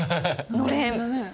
のれんだね。